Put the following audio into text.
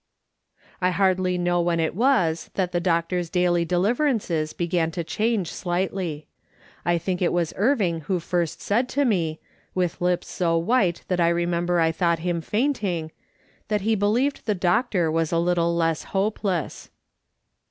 I hardly know when it was that the doctor's daily deliverances began to change slightly, I think it was Irving who first said to me, with lips so white that I remember I thouf?ht him faintinjj, that he believed the doctor was a little less hopeless.